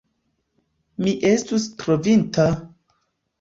Mi estus trovinta!